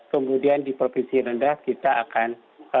kemudian di provinsi rendah kita akan